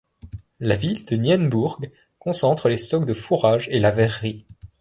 La ville de Nienburg concentre les stocks de fourrage et la verrerie.